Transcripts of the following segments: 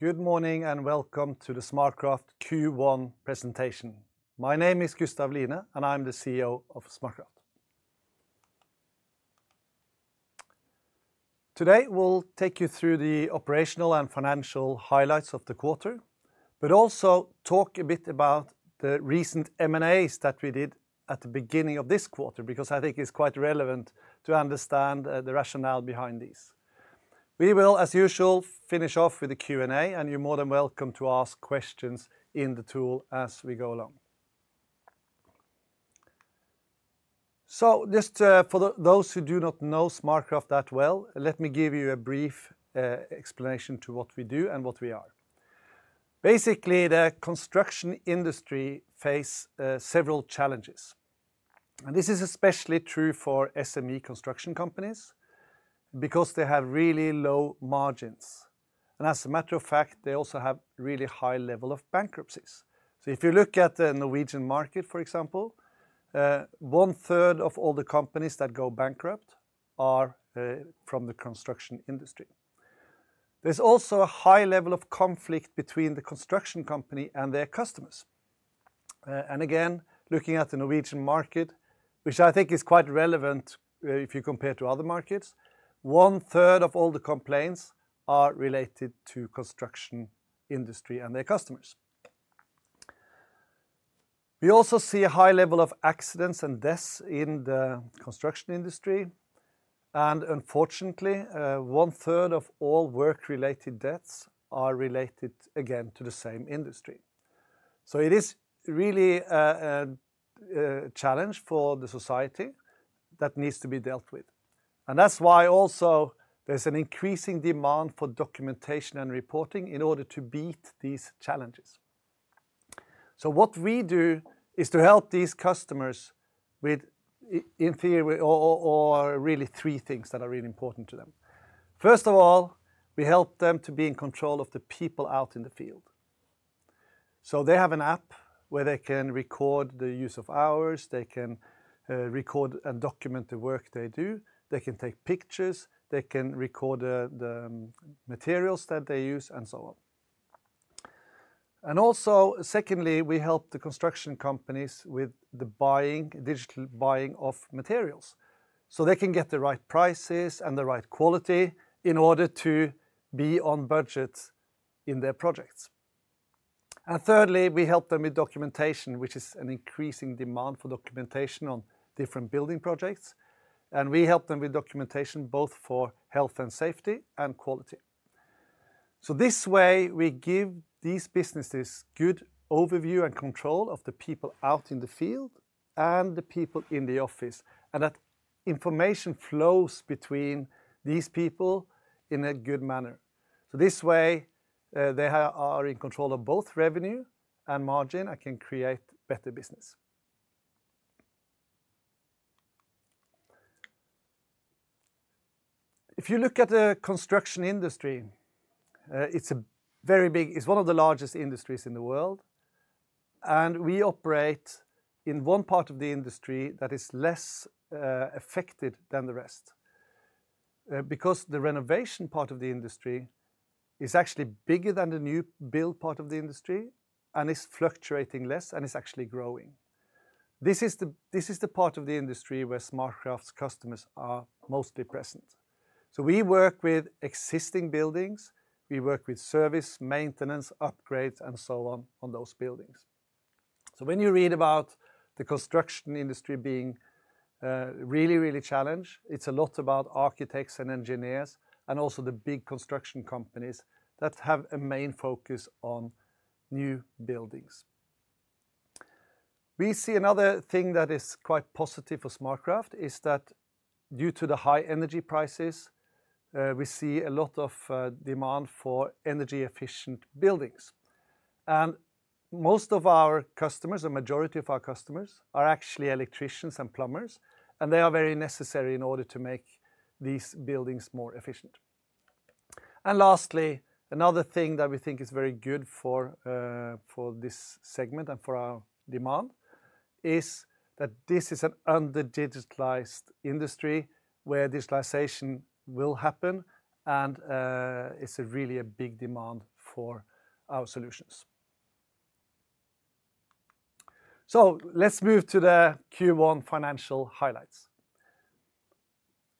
Good morning and welcome to the SmartCraft Q1 presentation. My name is Gustav Line, and I'm the CEO of SmartCraft. Today we'll take you through the operational and financial highlights of the quarter, but also talk a bit about the recent M&As that we did at the beginning of this quarter because I think it's quite relevant to understand the rationale behind these. We will, as usual, finish off with a Q&A, and you're more than welcome to ask questions in the tool as we go along. So, just for those who do not know SmartCraft that well, let me give you a brief explanation to what we do and what we are. Basically, the construction industry faces several challenges, and this is especially true for SME construction companies because they have really low margins, and as a matter of fact, they also have a really high level of bankruptcies. So, if you look at the Norwegian market, for example, 1/3 of all the companies that go bankrupt are from the construction industry. There's also a high level of conflict between the construction company and their customers. And again, looking at the Norwegian market, which I think is quite relevant if you compare to other markets, one of all the complaints are related to the construction industry and their customers. We also see a high level of accidents and deaths in the construction industry, and unfortunately, 1/3 of all work-related deaths are related, again, to the same industry. So, it is really a challenge for the society that needs to be dealt with, and that's why also there's an increasing demand for documentation and reporting in order to beat these challenges. What we do is to help these customers with, in theory, really three things that are really important to them. First of all, we help them to be in control of the people out in the field. So, they have an app where they can record the use of hours, they can record and document the work they do, they can take pictures, they can record the materials that they use, and so on. And also, secondly, we help the construction companies with the digital buying of materials so they can get the right prices and the right quality in order to be on budget in their projects. And thirdly, we help them with documentation, which is an increasing demand for documentation on different building projects, and we help them with documentation both for health and safety and quality. So, this way, we give these businesses good overview and control of the people out in the field and the people in the office, and that information flows between these people in a good manner. So, this way, they are in control of both revenue and margin, and can create better business. If you look at the construction industry, it's one of the largest industries in the world, and we operate in one part of the industry that is less affected than the rest because the renovation part of the industry is actually bigger than the new build part of the industry and is fluctuating less and is actually growing. This is the part of the industry where SmartCraft's customers are mostly present. So, we work with existing buildings, we work with service, maintenance, upgrades, and so on on those buildings. So, when you read about the construction industry being really, really challenged, it's a lot about architects and engineers and also the big construction companies that have a main focus on new buildings. We see another thing that is quite positive for SmartCraft is that, due to the high energy prices, we see a lot of demand for energy-efficient buildings, and most of our customers, the majority of our customers, are actually electricians and plumbers, and they are very necessary in order to make these buildings more efficient. And lastly, another thing that we think is very good for this segment and for our demand is that this is an under-digitalized industry where digitalization will happen, and it's really a big demand for our solutions. So, let's move to the Q1 financial highlights.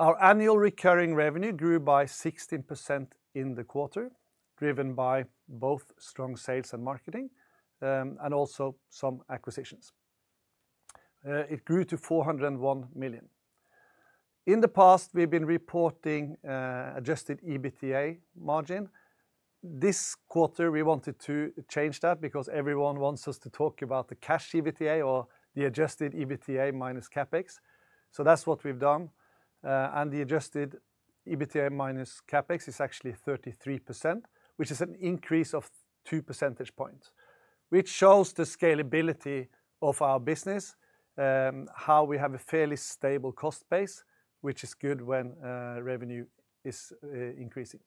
Our annual recurring revenue grew by 16% in the quarter, driven by both strong sales and marketing, and also some acquisitions. It grew to 401 million. In the past, we've been reporting adjusted EBITDA margin. This quarter, we wanted to change that because everyone wants us to talk about the cash EBITDA or the adjusted EBITDA minus CapEx, so that's what we've done, and the adjusted EBITDA minus CapEx is actually 33%, which is an increase of two percentage points, which shows the scalability of our business, how we have a fairly stable cost base, which is good when revenue is increasing,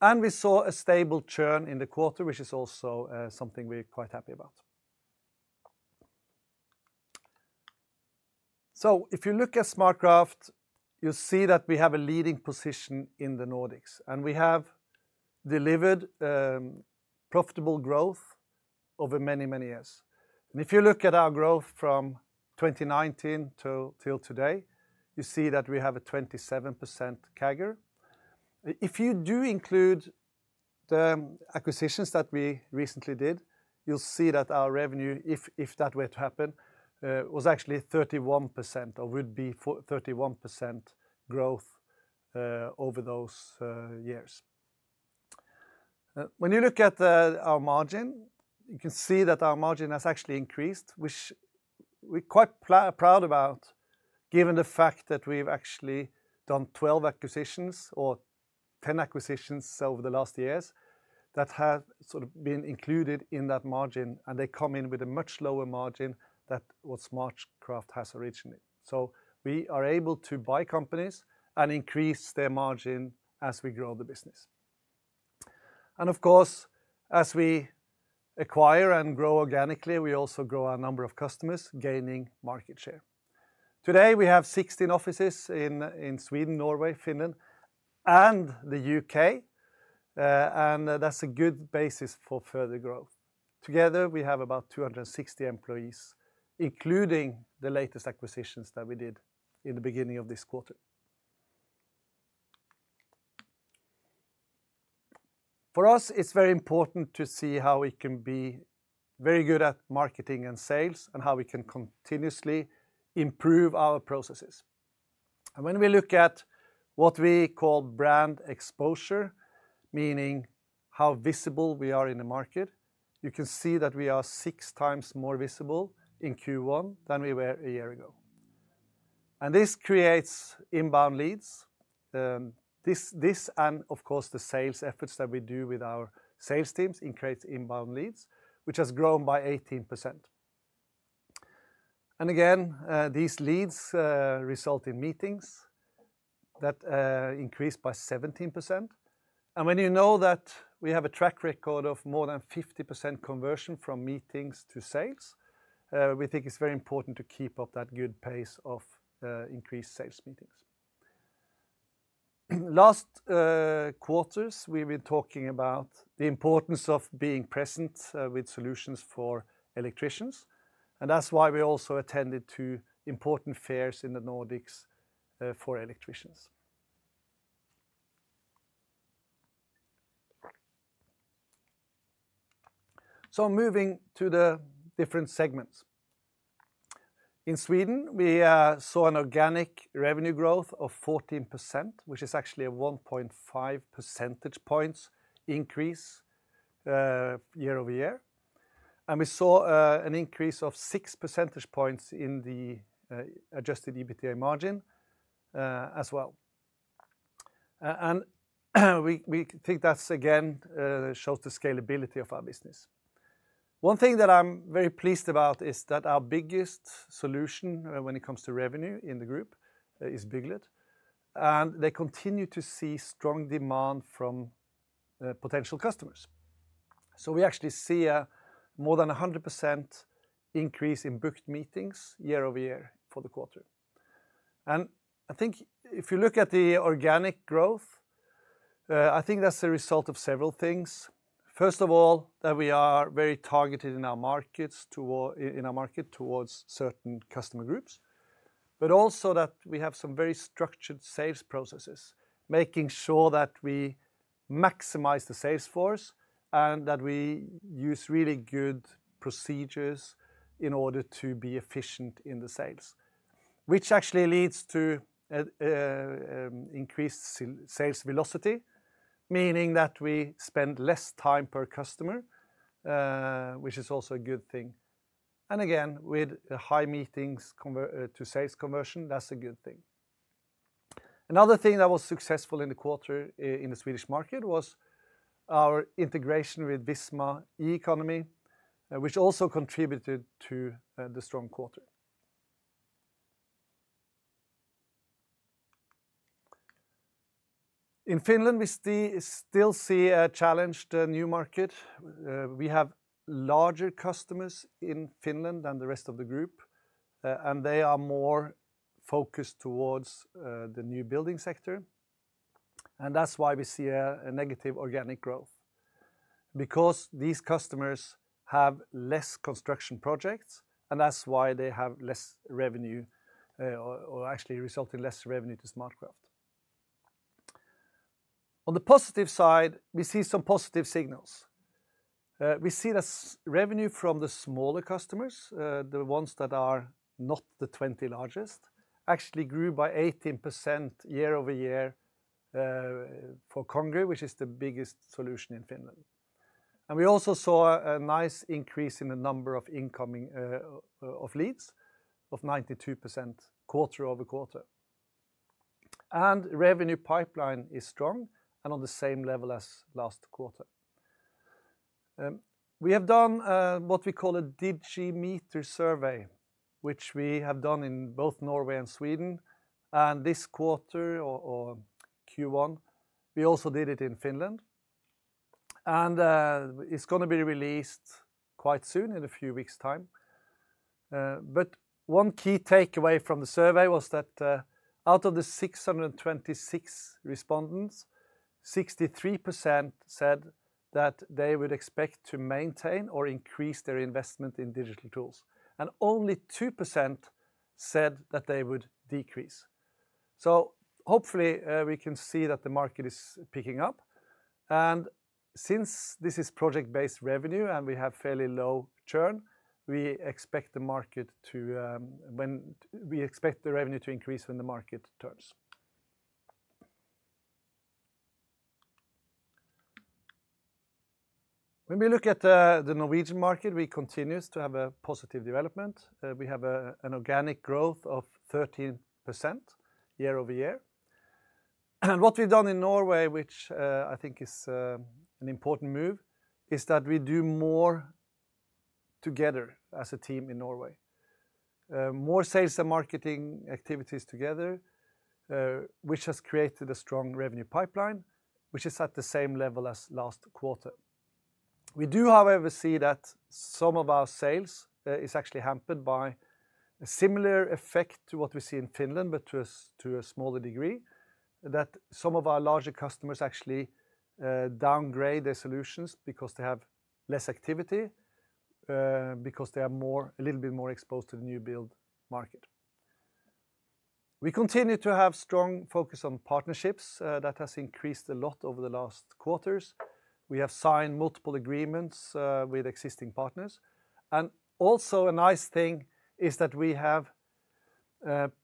and we saw a stable churn in the quarter, which is also something we're quite happy about. So, if you look at SmartCraft, you'll see that we have a leading position in the Nordics, and we have delivered profitable growth over many, many years, and if you look at our growth from 2019 till today, you see that we have a 27% CAGR. If you do include the acquisitions that we recently did, you'll see that our revenue, if that were to happen, was actually 31% or would be 31% growth over those years. When you look at our margin, you can see that our margin has actually increased, which we're quite proud about given the fact that we've actually done 12 acquisitions or 10 acquisitions over the last years that have sort of been included in that margin, and they come in with a much lower margin than what SmartCraft has originally. So, we are able to buy companies and increase their margin as we grow the business. And, of course, as we acquire and grow organically, we also grow our number of customers, gaining market share. Today, we have 16 offices in Sweden, Norway, Finland, and the UK, and that's a good basis for further growth. Together, we have about 260 employees, including the latest acquisitions that we did in the beginning of this quarter. For us, it's very important to see how we can be very good at marketing and sales and how we can continuously improve our processes. And when we look at what we call brand exposure, meaning how visible we are in the market, you can see that we are six times more visible in Q1 than we were a year ago, and this creates inbound leads. This and, of course, the sales efforts that we do with our sales teams create inbound leads, which has grown by 18%. And again, these leads result in meetings that increase by 17%, and when you know that we have a track record of more than 50% conversion from meetings to sales, we think it's very important to keep up that good pace of increased sales meetings. Last quarters, we've been talking about the importance of being present with solutions for electricians, and that's why we also attended two important fairs in the Nordics for electricians. Moving to the different segments. In Sweden, we saw an organic revenue growth of 14%, which is actually a 1.5 percentage points increase year-over-year, and we saw an increase of six percentage points in the adjusted EBITDA margin as well. We think that, again, shows the scalability of our business. One thing that I'm very pleased about is that our biggest solution when it comes to revenue in the group is Bygglet, and they continue to see strong demand from potential customers. So, we actually see more than 100% increase in booked meetings year-over-year for the quarter. And I think if you look at the organic growth, I think that's a result of several things. First of all, that we are very targeted in our market towards certain customer groups, but also that we have some very structured sales processes, making sure that we maximize the sales force and that we use really good procedures in order to be efficient in the sales, which actually leads to increased sales velocity, meaning that we spend less time per customer, which is also a good thing. And again, with high meetings to sales conversion, that's a good thing. Another thing that was successful in the quarter in the Swedish market was our integration with Visma eEkonomi, which also contributed to the strong quarter. In Finland, we still see a challenged new market. We have larger customers in Finland than the rest of the group, and they are more focused towards the new building sector, and that's why we see a negative organic growth because these customers have less construction projects, and that's why they have less revenue or actually result in less revenue to SmartCraft. On the positive side, we see some positive signals. We see that revenue from the smaller customers, the ones that are not the 20 largest, actually grew by 18% year-over-year for Congrid, which is the biggest solution in Finland, and we also saw a nice increase in the number of incoming leads of 92% quarter-over-quarter, and revenue pipeline is strong and on the same level as last quarter. We have done what we call a DigiMeter survey, which we have done in both Norway and Sweden, and this quarter or Q1, we also did it in Finland, and it's going to be released quite soon in a few weeks' time. But one key takeaway from the survey was that out of the 626 respondents, 63% said that they would expect to maintain or increase their investment in digital tools, and only 2% said that they would decrease. So, hopefully, we can see that the market is picking up, and since this is project-based revenue and we have fairly low churn, we expect the revenue to increase when the market turns. When we look at the Norwegian market, we continue to have a positive development. We have an organic growth of 13% year-over-year, and what we've done in Norway, which I think is an important move, is that we do more together as a team in Norway, more sales and marketing activities together, which has created a strong revenue pipeline, which is at the same level as last quarter. We do, however, see that some of our sales are actually hampered by a similar effect to what we see in Finland, but to a smaller degree, that some of our larger customers actually downgrade their solutions because they have less activity, because they are more a little bit more exposed to the new build market. We continue to have a strong focus on partnerships that has increased a lot over the last quarters. We have signed multiple agreements with existing partners, and also, a nice thing is that we have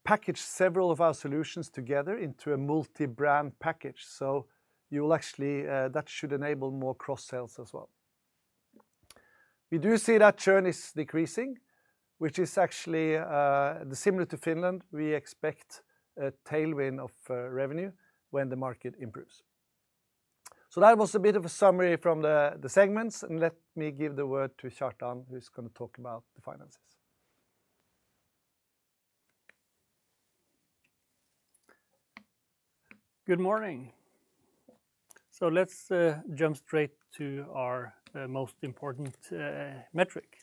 packaged several of our solutions together into a multi-brand package, so you will actually that should enable more cross-sales as well. We do see that churn is decreasing, which is actually similar to Finland. We expect a tailwind of revenue when the market improves. So, that was a bit of a summary from the segments, and let me give the word to Kjartan, who's going to talk about the finances. Good morning. So, let's jump straight to our most important metric.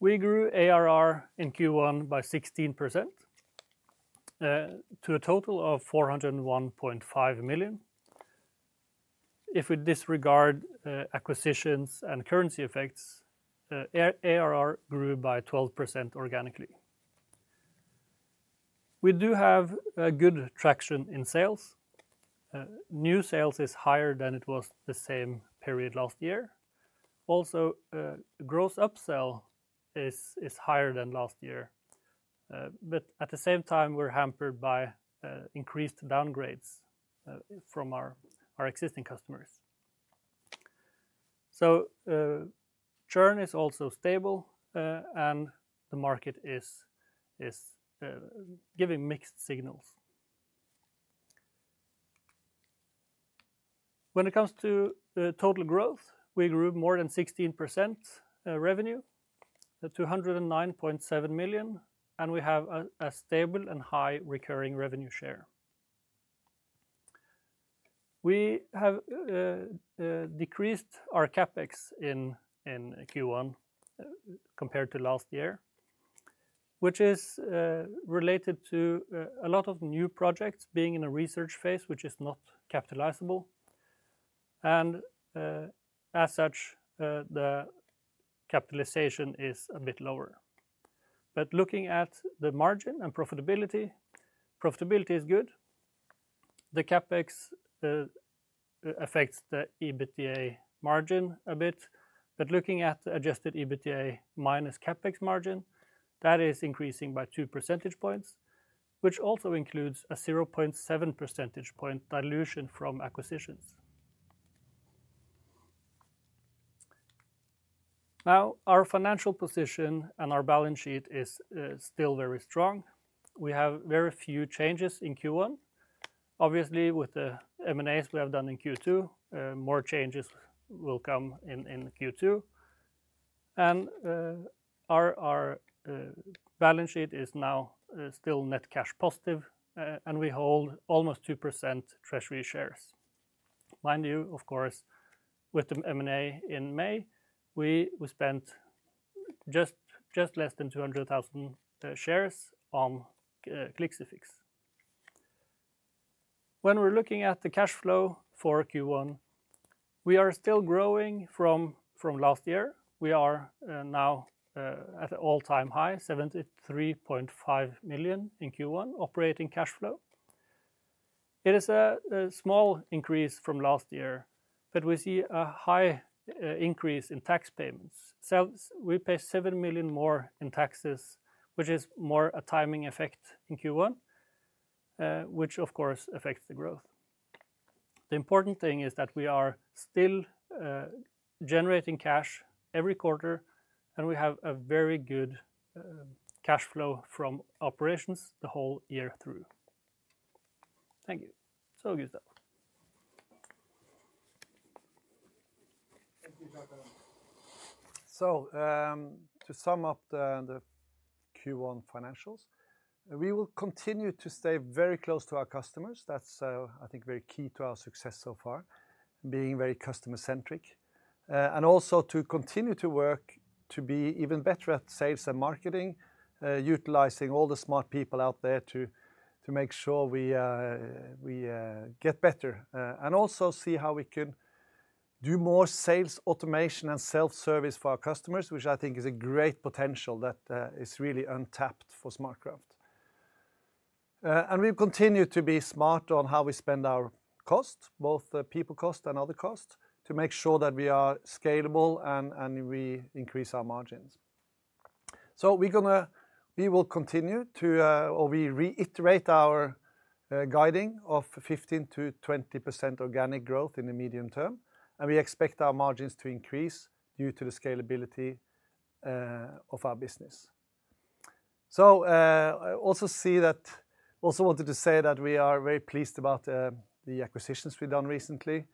We grew ARR in Q1 by 16% to a total of 401.5 million. If we disregard acquisitions and currency effects, ARR grew by 12% organically. We do have good traction in sales. New sales are higher than it was the same period last year. Also, gross upsell is higher than last year, but at the same time, we're hampered by increased downgrades from our existing customers. So, churn is also stable, and the market is giving mixed signals. When it comes to total growth, we grew more than 16% revenue, 209.7 million, and we have a stable and high recurring revenue share. We have decreased our CapEx in Q1 compared to last year, which is related to a lot of new projects being in a research phase, which is not capitalizable, and as such, the capitalization is a bit lower. But looking at the margin and profitability, profitability is good. The CapEx affects the EBITDA margin a bit, but looking at the adjusted EBITDA minus CapEx margin, that is increasing by two percentage points, which also includes a 0.7 percentage point dilution from acquisitions. Now, our financial position and our balance sheet are still very strong. We have very few changes in Q1. Obviously, with the M&As we have done in Q2, more changes will come in Q2, and our balance sheet is now still net cash positive, and we hold almost 2% treasury shares. Mind you, of course, with the M&A in May, we spent just less than 200,000 shares on clixifix. When we're looking at the cash flow for Q1, we are still growing from last year. We are now at an all-time high, 73.5 million in Q1 operating cash flow. It is a small increase from last year, but we see a high increase in tax payments. We pay 7 million more in taxes, which is more a timing effect in Q1, which, of course, affects the growth. The important thing is that we are still generating cash every quarter, and we have a very good cash flow from operations the whole year through. Thank you. So good stuff. Thank you, Kjartan. So, to sum up the Q1 financials, we will continue to stay very close to our customers. That's, I think, very key to our success so far, being very customer-centric, and also to continue to work to be even better at sales and marketing, utilizing all the smart people out there to make sure we get better, and also see how we can do more sales automation and self-service for our customers, which I think is a great potential that is really untapped for SmartCraft. We continue to be smart on how we spend our costs, both people costs and other costs, to make sure that we are scalable and we increase our margins. So, we will continue to reiterate our guidance of 15%-20% organic growth in the medium term, and we expect our margins to increase due to the scalability of our business. I also see that I also wanted to say that we are very pleased about the acquisitions we've done recently.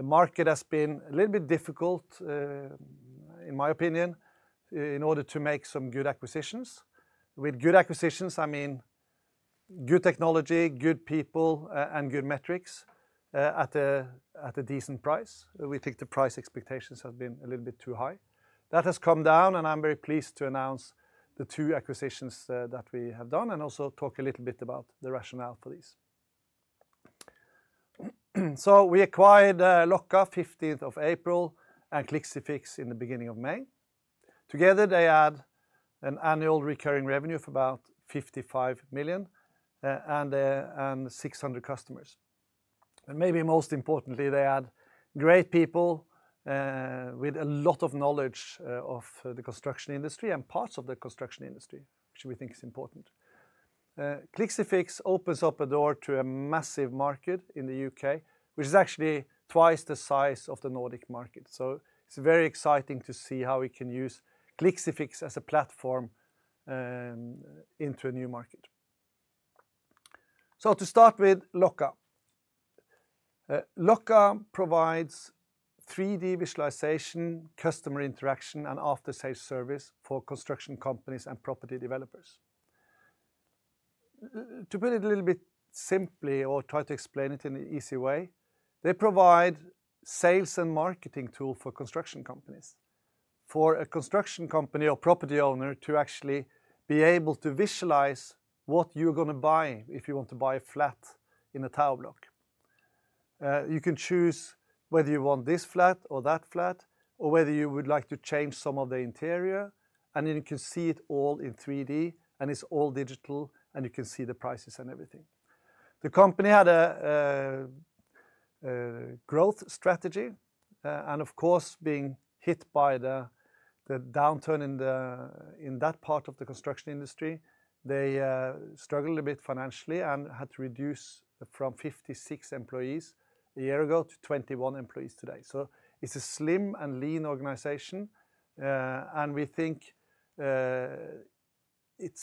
The market has been a little bit difficult, in my opinion, in order to make some good acquisitions. With good acquisitions, I mean good technology, good people, and good metrics at a decent price. We think the price expectations have been a little bit too high. That has come down, and I'm very pleased to announce the two acquisitions that we have done and also talk a little bit about the rationale for these. We acquired Locka 15th of April and clixifix in the beginning of May. Together, they add an annual recurring revenue of about 55 million and 600 customers. And maybe most importantly, they add great people with a lot of knowledge of the construction industry and parts of the construction industry, which we think is important. clixifix opens up a door to a massive market in the UK, which is actually twice the size of the Nordic market, so it's very exciting to see how we can use clixifix as a platform into a new market. So, to start with Locka. Locka provides 3D visualization, customer interaction, and after-sales service for construction companies and property developers. To put it a little bit simply or try to explain it in an easy way, they provide sales and marketing tools for construction companies, for a construction company or property owner to actually be able to visualize what you're going to buy if you want to buy a flat in a tower block. You can choose whether you want this flat or that flat or whether you would like to change some of the interior, and then you can see it all in 3D, and it's all digital, and you can see the prices and everything. The company had a growth strategy, and of course, being hit by the downturn in that part of the construction industry, they struggled a bit financially and had to reduce from 56 employees a year ago to 21 employees today. So, it's a slim and lean organization, and we think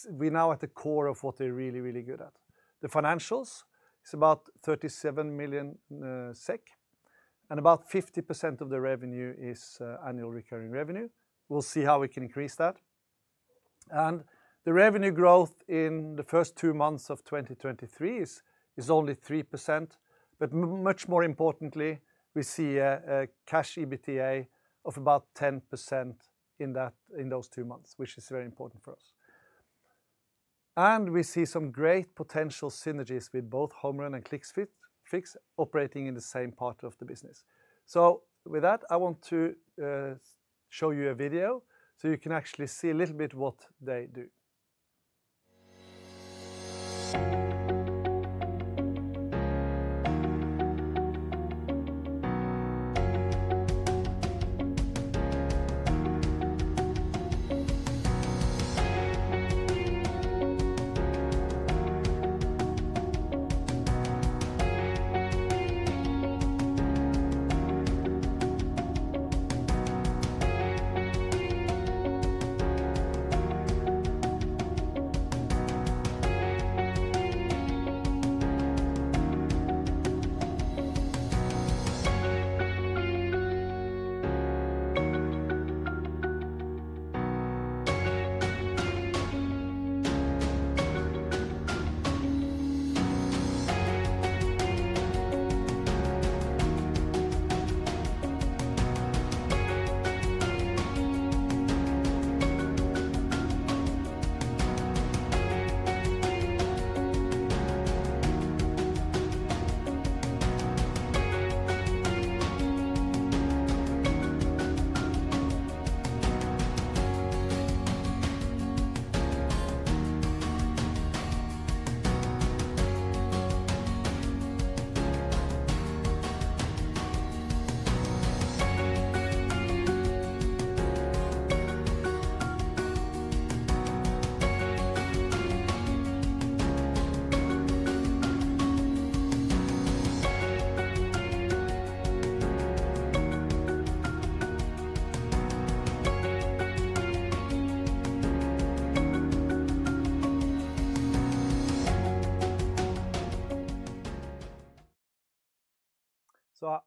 we're now at the core of what they're really, really good at. The financials, it's about 37 million SEK, and about 50% of the revenue is annual recurring revenue. We'll see how we can increase that. The revenue growth in the first two months of 2023 is only 3%, but much more importantly, we see a cash EBITDA of about 10% in those two months, which is very important for us. We see some great potential synergies with both Homerun and clixifix operating in the same part of the business. With that, I want to show you a video so you can actually see a little bit what they do.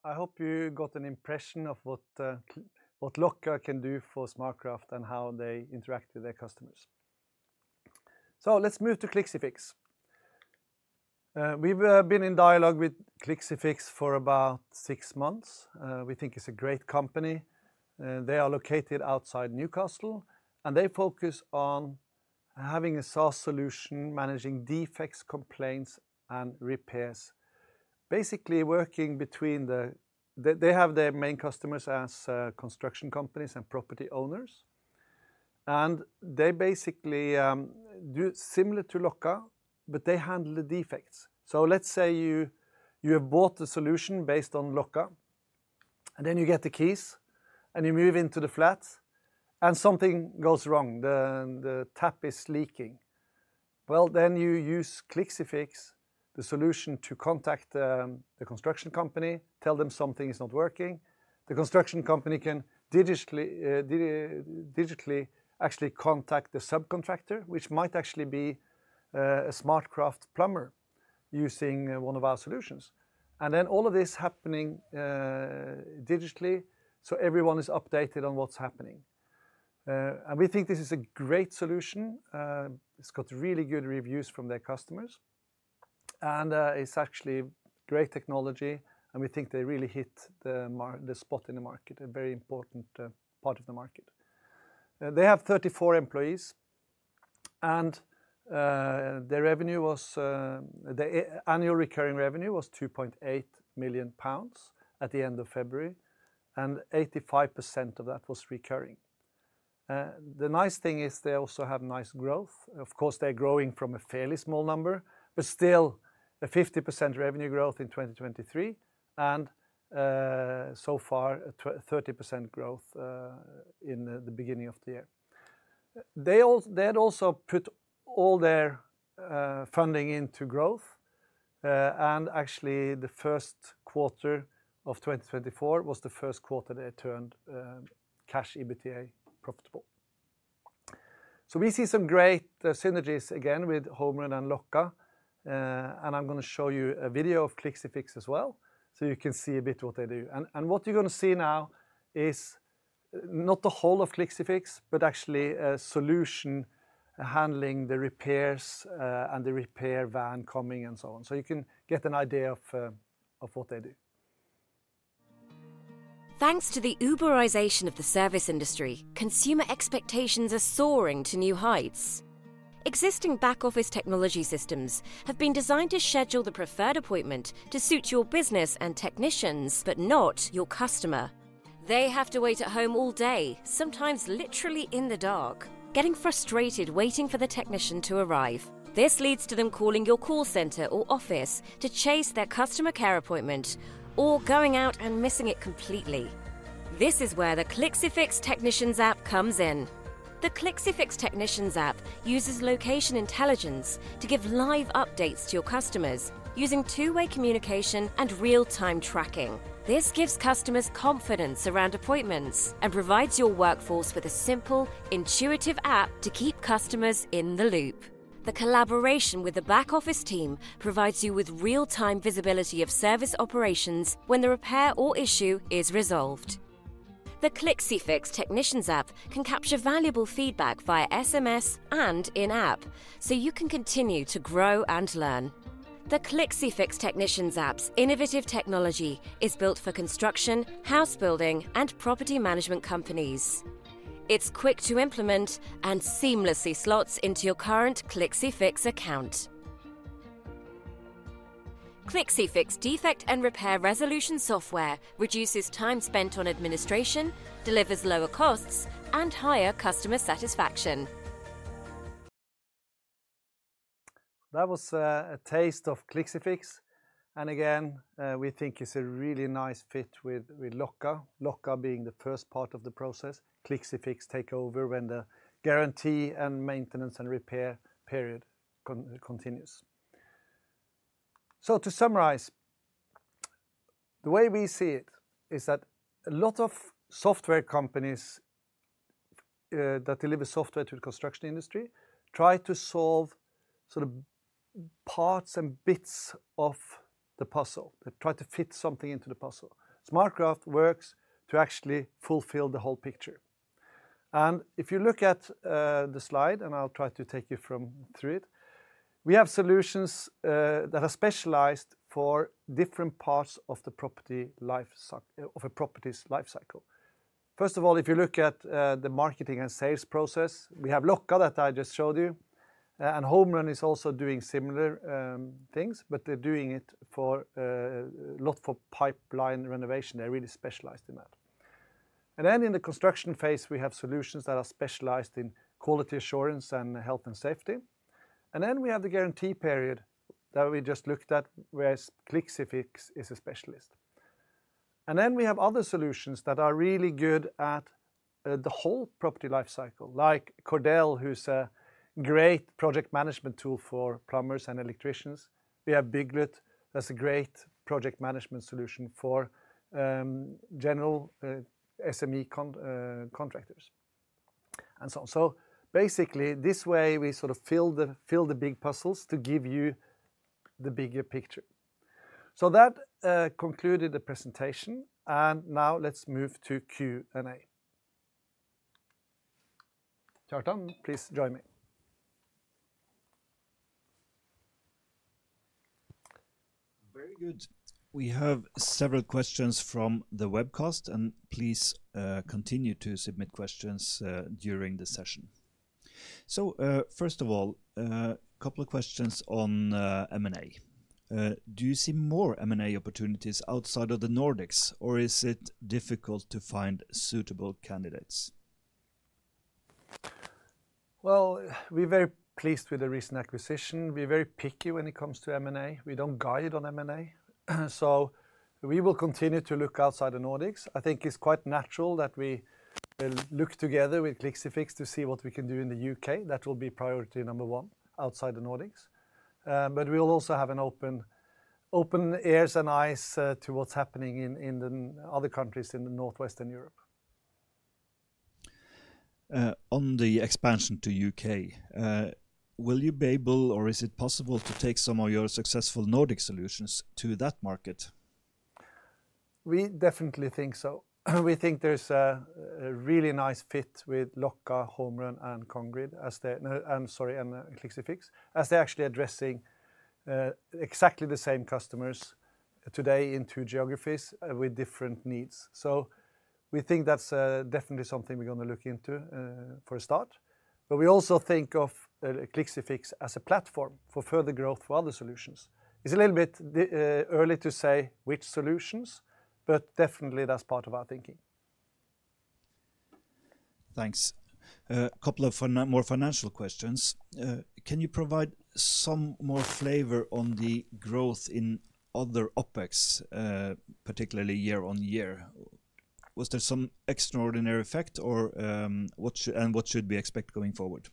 I hope you got an impression of what Locka can do for SmartCraft and how they interact with their customers. Let's move to clixifix. We've been in dialogue with clixifix for about six months. We think it's a great company. They are located outside Newcastle, and they focus on having a SaaS solution managing defects, complaints, and repairs, basically working between the they have their main customers as construction companies and property owners, and they basically do similar to Locka, but they handle the defects. So, let's say you have bought the solution based on Locka, and then you get the keys, and you move into the flat, and something goes wrong. The tap is leaking. Well, then you use clixifix, the solution, to contact the construction company, tell them something is not working. The construction company can digitally actually contact the subcontractor, which might actually be a SmartCraft plumber using one of our solutions, and then all of this is happening digitally, so everyone is updated on what's happening. And we think this is a great solution. It's got really good reviews from their customers, and it's actually great technology, and we think they really hit the spot in the market, a very important part of the market. They have 34 employees, and their revenue was their annual recurring revenue was 2.8 million pounds at the end of February, and 85% of that was recurring. The nice thing is they also have nice growth. Of course, they're growing from a fairly small number, but still a 50% revenue growth in 2023 and, so far, a 30% growth in the beginning of the year. They had also put all their funding into growth, and actually, the first quarter of 2024 was the first quarter they turned cash EBITDA profitable. We see some great synergies again with Homerun and Locka, and I'm going to show you a video of clixifix as well so you can see a bit what they do. What you're going to see now is not the whole of clixifix, but actually a solution handling the repairs and the repair van coming and so on, so you can get an idea of what they do. Thanks to the Uberization of the service industry, consumer expectations are soaring to new heights. Existing back-office technology systems have been designed to schedule the preferred appointment to suit your business and technicians, but not your customer. They have to wait at home all day, sometimes literally in the dark, getting frustrated waiting for the technician to arrive. This leads to them calling your call center or office to chase their customer care appointment or going out and missing it completely. This is where the clixifix Technicians app comes in. The clixifix Technicians app uses location intelligence to give live updates to your customers using two-way communication and real-time tracking. This gives customers confidence around appointments and provides your workforce with a simple, intuitive app to keep customers in the loop. The collaboration with the back-office team provides you with real-time visibility of service operations when the repair or issue is resolved. The clixifix Technicians app can capture valuable feedback via SMS and in-app so you can continue to grow and learn. The clixifix Technicians app's innovative technology is built for construction, house building, and property management companies. It's quick to implement and seamlessly slots into your current clixifix account. clixifix Defect and Repair Resolution Software reduces time spent on administration, delivers lower costs, and higher customer satisfaction. That was a taste of clixifix, and again, we think it's a really nice fit with Locka, Locka being the first part of the process, clixifix takeover when the guarantee and maintenance and repair period continues. To summarize, the way we see it is that a lot of software companies that deliver software to the construction industry try to solve sort of parts and bits of the puzzle, they try to fit something into the puzzle. SmartCraft works to actually fulfill the whole picture. If you look at the slide, and I'll try to take you through it, we have solutions that are specialized for different parts of a property's lifecycle. First of all, if you look at the marketing and sales process, we have Locka that I just showed you, and Homerun is also doing similar things, but they're doing it a lot for pipeline renovation, they're really specialized in that. And then, in the construction phase, we have solutions that are specialized in quality assurance and health and safety, and then we have the guarantee period that we just looked at where clixifix is a specialist. And then, we have other solutions that are really good at the whole property lifecycle, like Cordel, who's a great project management tool for plumbers and electricians. We have Bygglet, that's a great project management solution for general SME contractors, and so on. So, basically, this way, we sort of fill the big puzzles to give you the bigger picture. So, that concluded the presentation, and now, let's move to Q&A. Kjartan, please join me. Very good. We have several questions from the webcast, and please continue to submit questions during the session. So, first of all, a couple of questions on M&A. Do you see more M&A opportunities outside of the Nordics, or is it difficult to find suitable candidates? Well, we're very pleased with the recent acquisition. We're very picky when it comes to M&A. We don't guide on M&A, so we will continue to look outside the Nordics. I think it's quite natural that we look together with clixifix to see what we can do in the UK. That will be priority number one outside the Nordics, but we will also have open ears and eyes to what's happening in the other countries in Northwestern Europe. On the expansion to U.K., will you be able, or is it possible to take some of your successful Nordic solutions to that market? We definitely think so. We think there's a really nice fit with Locka, Homerun, and Congrid, as they're sorry, and clixifix, as they're actually addressing exactly the same customers today in two geographies with different needs. So, we think that's definitely something we're going to look into for a start, but we also think of clixifix as a platform for further growth for other solutions. It's a little bit early to say which solutions, but definitely, that's part of our thinking. Thanks. A couple of more financial questions. Can you provide some more flavor on the growth in other OpEx, particularly year-on-year? Was there some extraordinary effect, or what should be expected going forward?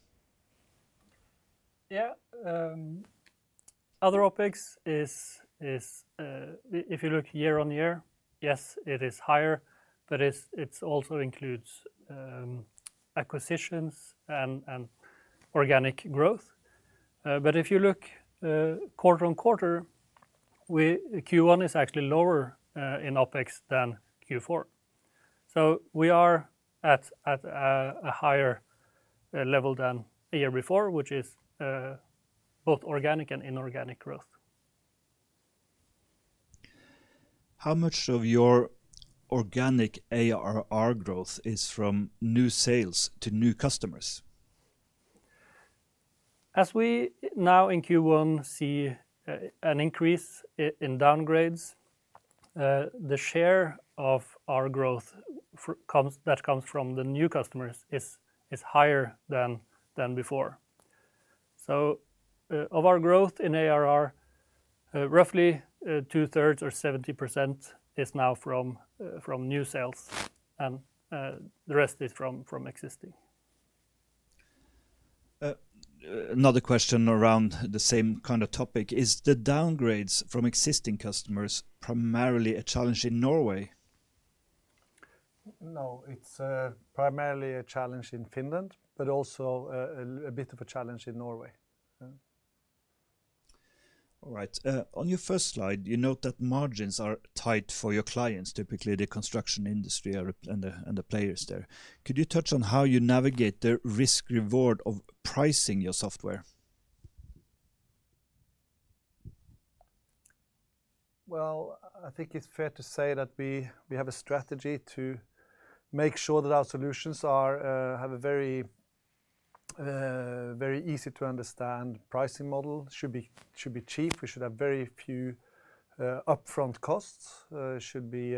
Yeah. Other OpEx is if you look year-on-year, yes, it is higher, but it also includes acquisitions and organic growth. But if you look quarter-on-quarter, Q1 is actually lower in OpEx than Q4. So, we are at a higher level than the year before, which is both organic and inorganic growth. How much of your organic ARR growth is from new sales to new customers? As we now in Q1 see an increase in downgrades, the share of our growth that comes from the new customers is higher than before. So, of our growth in ARR, roughly two-thirds or 70% is now from new sales, and the rest is from existing. Another question around the same kind of topic. Is the downgrades from existing customers primarily a challenge in Norway? No. It's primarily a challenge in Finland, but also a bit of a challenge in Norway. All right. On your first slide, you note that margins are tight for your clients, typically the construction industry and the players there. Could you touch on how you navigate the risk-reward of pricing your software? Well, I think it's fair to say that we have a strategy to make sure that our solutions have a very easy-to-understand pricing model, should be cheap, we should have very few upfront costs, should be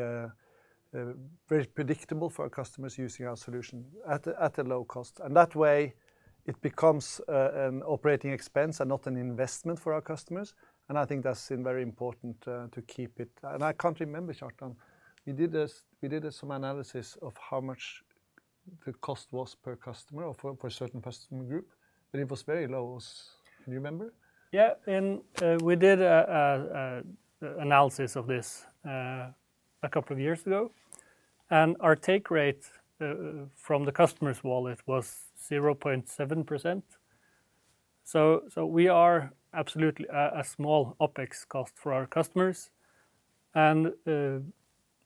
very predictable for our customers using our solution at a low cost, and that way, it becomes an operating expense and not an investment for our customers, and I think that's very important to keep it and I can't remember, Kjartan. We did some analysis of how much the cost was per customer or for a certain customer group, but it was very low. Can you remember? Yeah. We did an analysis of this a couple of years ago, and our take rate from the customer's wallet was 0.7%. So, we are absolutely a small OPEX cost for our customers, and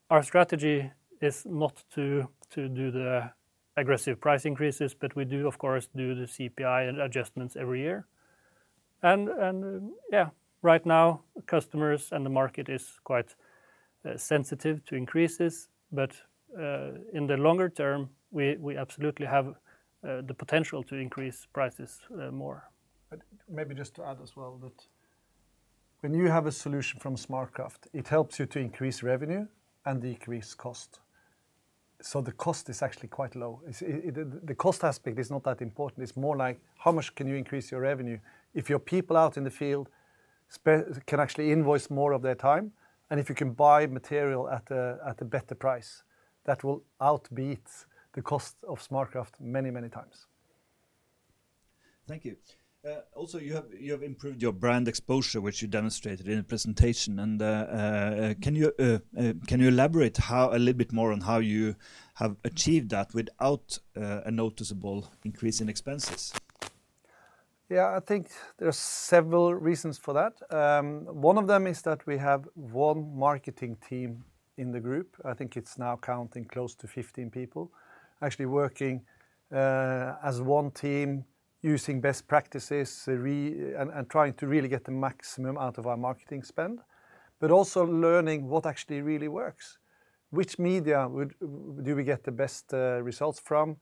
our strategy is not to do the aggressive price increases, but we do, of course, do the CPI adjustments every year. And yeah, right now, customers and the market is quite sensitive to increases, but in the longer term, we absolutely have the potential to increase prices more. Maybe just to add as well that when you have a solution from SmartCraft, it helps you to increase revenue and decrease cost. So, the cost is actually quite low. The cost aspect is not that important. It's more like, how much can you increase your revenue if your people out in the field can actually invoice more of their time, and if you can buy material at a better price, that will outbeat the cost of SmartCraft many, many times. Thank you. Also, you have improved your brand exposure, which you demonstrated in the presentation, and can you elaborate a little bit more on how you have achieved that without a noticeable increase in expenses? Yeah. I think there are several reasons for that. One of them is that we have one marketing team in the group. I think it's now counting close to 15 people, actually working as one team using best practices and trying to really get the maximum out of our marketing spend, but also learning what actually really works, which media do we get the best results from,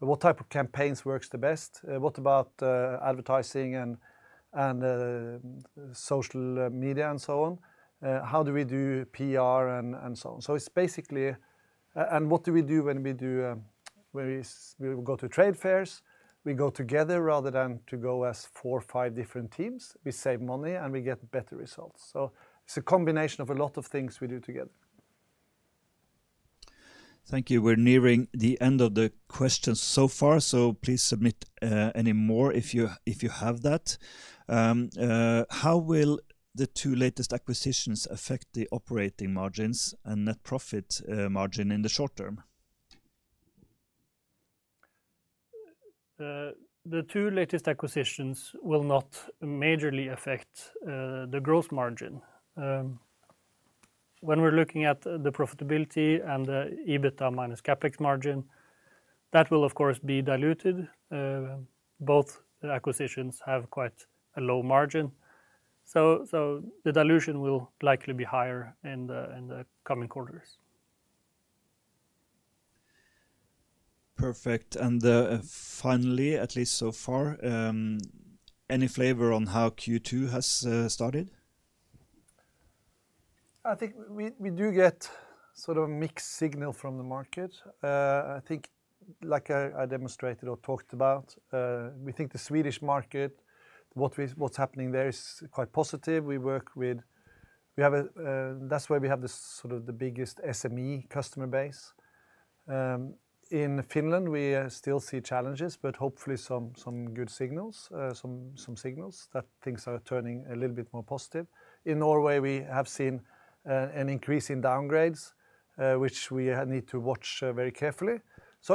what type of campaigns works the best, what about advertising and social media and so on, how do we do PR and so on. So, it's basically what do we do when we go to trade fairs? We go together rather than to go as 4, 5 different teams. We save money, and we get better results. So, it's a combination of a lot of things we do together. Thank you. We're nearing the end of the questions so far, so please submit any more if you have that. How will the two latest acquisitions affect the operating margins and net profit margin in the short term? The two latest acquisitions will not majorly affect the gross margin. When we're looking at the profitability and the EBITDA minus capex margin, that will, of course, be diluted. Both acquisitions have quite a low margin, so the dilution will likely be higher in the coming quarters. Perfect. And finally, at least so far, any flavor on how Q2 has started? I think we do get sort of a mixed signal from the market. I think, like I demonstrated or talked about, we think the Swedish market, what's happening there is quite positive. We work with. That's why we have sort of the biggest SME customer base. In Finland, we still see challenges, but hopefully, some good signals, some signals that things are turning a little bit more positive. In Norway, we have seen an increase in downgrades, which we need to watch very carefully.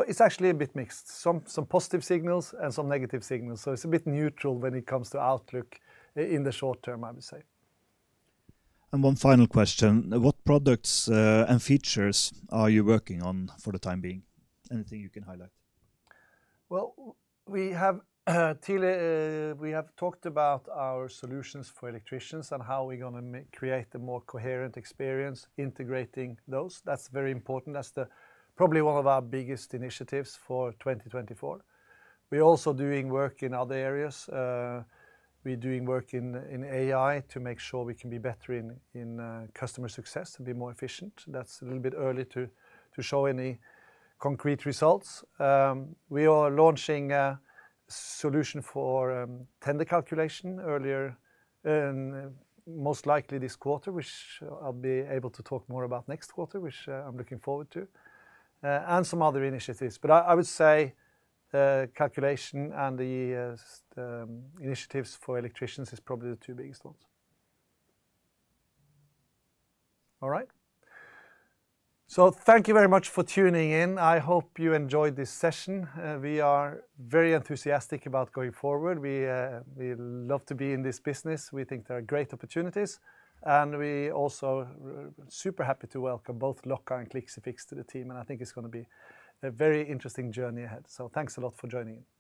It's actually a bit mixed, some positive signals and some negative signals. It's a bit neutral when it comes to outlook in the short term, I would say. One final question. What products and features are you working on for the time being? Anything you can highlight? Well, we have talked about our solutions for electricians and how we're going to create a more coherent experience integrating those. That's very important. That's probably one of our biggest initiatives for 2024. We're also doing work in other areas. We're doing work in AI to make sure we can be better in customer success and be more efficient. That's a little bit early to show any concrete results. We are launching a solution for tender calculation earlier, most likely this quarter, which I'll be able to talk more about next quarter, which I'm looking forward to, and some other initiatives. But I would say calculation and the initiatives for electricians are probably the two biggest ones. All right. So, thank you very much for tuning in. I hope you enjoyed this session. We are very enthusiastic about going forward. We love to be in this business. We think there are great opportunities, and we're also super happy to welcome both Locka and clixifix to the team, and I think it's going to be a very interesting journey ahead. So, thanks a lot for joining in.